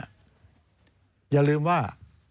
อย่าลืมว่า